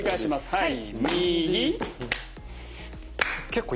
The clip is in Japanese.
はい。